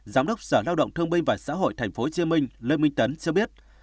giám đốc sở lao động thương binh và xã hội tp hcm lê minh tấn cho biết